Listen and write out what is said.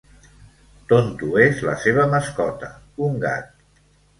Tonto és la seva mascota, un gat.